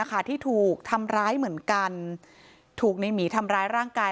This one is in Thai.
ที่ถูกทำร้ายเหมือนกันถูกในหมีทำร้ายร่างกาย